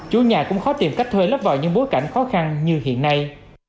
chủ nhà cũng khó tìm cách thuê lấp vào những bối cảnh khó khăn như hiện nay